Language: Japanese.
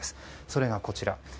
それがこちら。